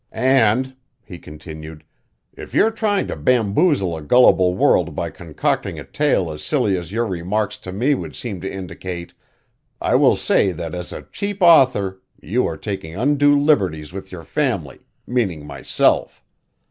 And" he continued "if you're trying to bamboozle a gullible world by concocting a tale as silly as your remarks to me would seem to indicate, I will say that as a cheap author you are taking undue liberties with your family, meaning myself.